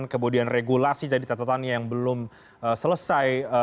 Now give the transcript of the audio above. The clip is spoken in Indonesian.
kemudian regulasi jadi tetap tni yang belum selesai